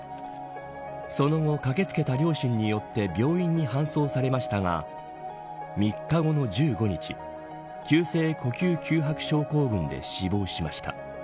その後、駆け付けた両親によって病院に搬送されましたが３日後の１５日急性呼吸窮迫症候群で死亡しました。